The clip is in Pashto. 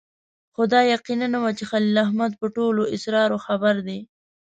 خو دا یقیني نه وه چې خلیل احمد په ټولو اسرارو خبر دی.